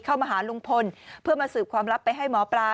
เข้ามาหาลุงพลเพื่อมาสืบความลับไปให้หมอปลา